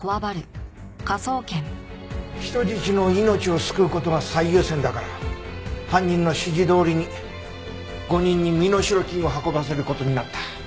人質の命を救う事が最優先だから犯人の指示どおりに５人に身代金を運ばせる事になった。